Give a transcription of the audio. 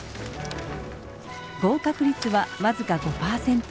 合格率は僅か５％。